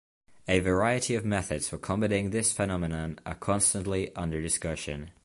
A variety of methods for combating this phenomenon are constantly under discussion.